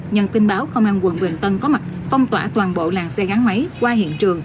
nhận tin báo công an quận bình tân có mặt phong tỏa toàn bộ làng xe gắn máy qua hiện trường